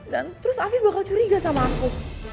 dan terus afif bakal curiga sama aku